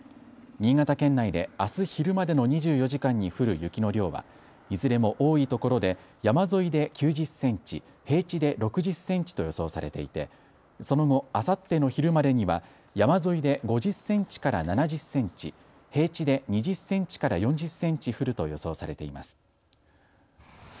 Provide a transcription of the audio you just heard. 新潟県内であす昼までの２４時間に降る雪の量はいずれも多いところで山沿いで９０センチ、平地で６０センチと予想されていてその後、あさっての昼までには山沿いで５０センチから７０センチ、平地で２０センチから４０センチ降ると予想されています。